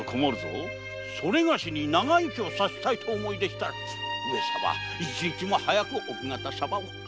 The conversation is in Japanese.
私に長生きをさせたいとお思いでしたら一日も早く奥方様を。